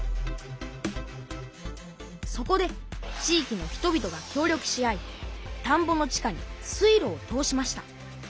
そこで地域の人々が協力し合いたんぼの地下に水路を通しました。